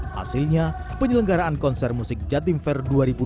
hasilnya penyelenggaraan konser musik jatim fair dua ribu dua puluh